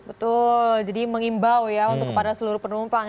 betul jadi mengimbau ya untuk kepada seluruh penumpang